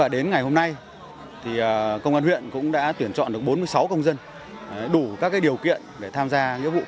đến ngày hôm nay công an huyện cũng đã tuyển chọn được bốn mươi sáu công dân đủ các điều kiện để tham gia